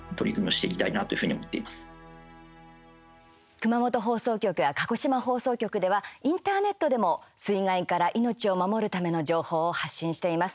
熊本放送局や鹿児島放送局ではインターネットでも水害から命を守るための情報を発信しています。